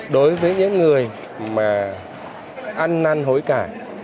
đối với những người mà ăn năn hối cải